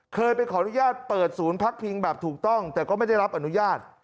เคยไปขออนุญาตเปิดศูนย์พักพิงแบบถูกต้องแต่ก็ไม่ได้รับอนุญาต